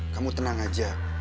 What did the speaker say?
kamu tenang aja